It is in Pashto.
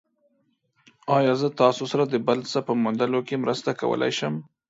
ایا زه تاسو سره د بل څه په موندلو کې مرسته کولی شم؟